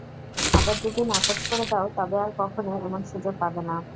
আবার যদি নাকচ করে দাও, তবে আর কখনো এমন সুযোগ পাবে না।